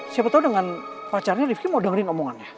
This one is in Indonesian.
siapa tahu dengan pacarnya rifki mau dengerin omongannya